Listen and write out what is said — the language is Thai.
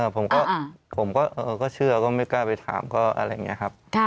ผมก็เชื่อก็ไม่กล้าไปถามก็อะไรอย่างนี้ครับ